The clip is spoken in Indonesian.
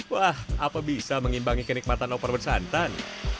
wah apa bisa mengimbangi kenikmatan opor bersantan